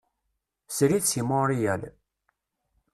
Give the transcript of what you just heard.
Srid seg Montreal.